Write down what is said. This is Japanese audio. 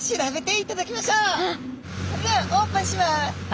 それではオープンします！